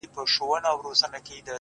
• د هغه قوم په نصیب خرسالاري وي ,